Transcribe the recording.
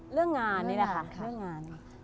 เรื่องงานนี่แหละค่ะ